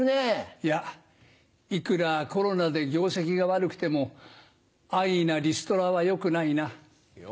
いやいくらコロナで業績が悪くても安易なリストラは良くないな。